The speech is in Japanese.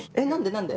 何で？